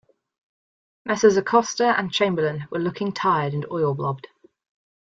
Messrs. Acosta and Chamberlain were looking tired and oil-blobbed.